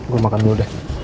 gue makan dulu deh